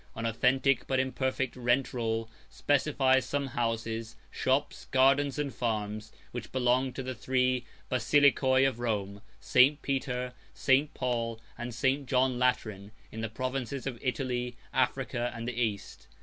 An authentic but imperfect 106 rent roll specifies some houses, shops, gardens, and farms, which belonged to the three Basilicæ of Rome, St. Peter, St. Paul, and St. John Lateran, in the provinces of Italy, Africa, and the East.